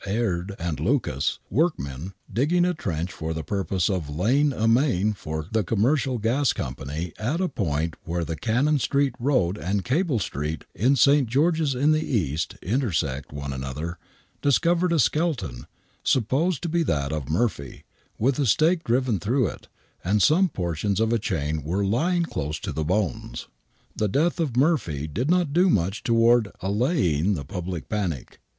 Aird & Lucas' workmen, in digging a trench for the purpose of laying a main for the Commercial Gas Company at a point where the Cannon Street Road and Cable Street, in St. George's in the East, intersect one another, discovered a skeleton, supposed to be that of Murphy, with a stake driven through it, and some portions of a chain were lying close to the bones. The death of Murphy did not do much toward allaying the public panic.